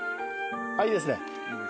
いいですね。